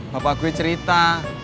bapak gue cerita